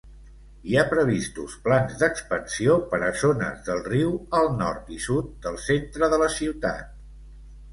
Hi ha previstos plans d'expansió per a zones del riu al nord i sud del centre de la ciutat.